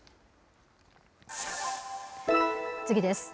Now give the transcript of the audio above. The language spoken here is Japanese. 次です。